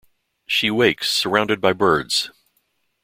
She wakes surrounded by birds.